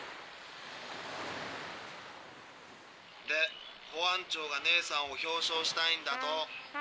「で保安庁がねえさんを表彰したいんだと。